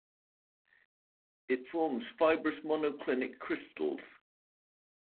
It forms fibrous monoclinic crystals.